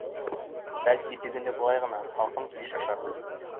Бәлки, дөгөнө былай ғына, һалҡын килеш ашармын.